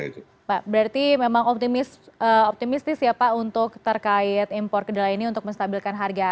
pak berarti memang optimistis ya pak untuk terkait impor kedelai ini untuk menstabilkan harga